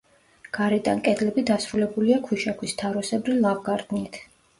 გარედან კედლები დასრულებულია ქვიშაქვის თაროსებრი ლავგარდნით.